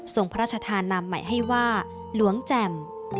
ทรงพระชาธานำใหม่ให้ว่าล้วงแจ่ม